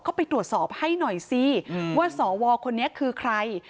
ก็ไปตรวจสอบให้หน่อยสิว่าสวคนนี้คือใคร